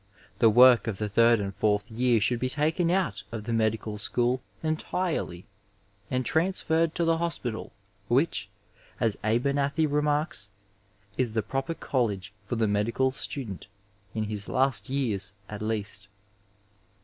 The work of the third and fourth year should be taken out of the medical school entirely and transferred to the hospital, which, as Abemethy remarks, is the proper college for the medical stadent, in his last yeais at least.